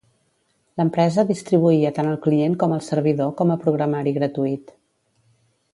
L'empresa distribuïa tant el client com el servidor com a programari gratuït.